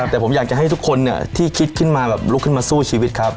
แต่ผมอยากทุกคนที่ลุกขึ้นมาสู้ชีวิตครับ